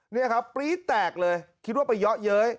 นี่ครับปรี๊ดแตกเลยคิดว่าไปเยาะเย้ย